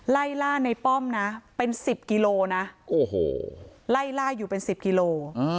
ไล่ล่าในป้อมนะเป็น๑๐กิโลนะโอ้โหไล่ล่าอยู่เป็น๑๐กิโล